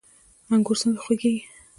انګور څنګه خوږیږي؟